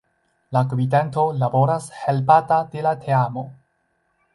La Gvidanto laboras helpata de la Teamo.